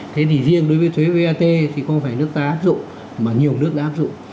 thế thì riêng đối với thuế vat thì có phải nước giá áp dụng mà nhiều nước đã áp dụng